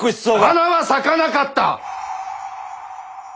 花は咲かなかった！